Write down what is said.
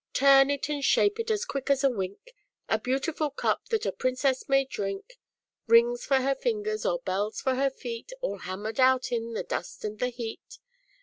Turn it and shape it as quick as a wink; A beautiful cup, that a Princess may drink, Rings for her fingers or bells for her feet, All hammered out in the dust and the heat.